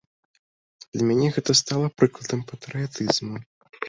Для мяне гэта стала прыкладам патрыятызму.